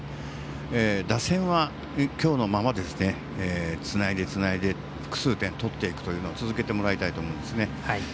打線はきょうのままつないでつないで、つないで複数点取っていくというのを続けてもらいたいと思いますね。